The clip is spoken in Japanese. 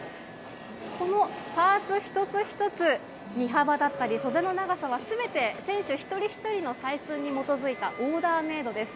このパーツ一つ一つ、身幅だったり、袖の長さはすべて選手一人一人の採寸に基づいたオーダーメードです。